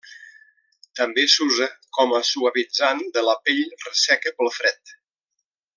També s'usa com a suavitzant de la pell resseca pel fred.